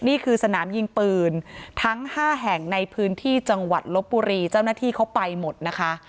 นี่คือสนามยิงปืนทั้ง๕แห่งในพื้นที่จังหวัดลบบุรีเจ้าหน้าที่เขาไปหมดนะคะ